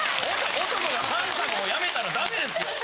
男がハンサムをやめたらダメですよ！